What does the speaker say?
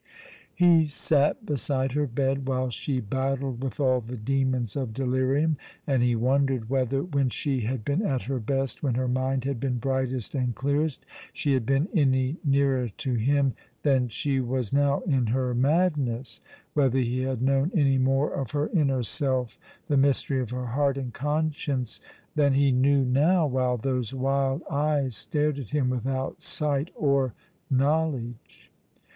He sat beside her bed, while she battled with all the demons of delirium; and he wondered whether— when she had been 134 ^^^ along the River, at her best, wlien her mind had been brightest and clearest — she had been any nearer to him than she was now in her madness ; whether he had known any more of her inner self — the mystery of her heart and conscience— than he knew now, while those wild eyes stared at him without sight or knowledge.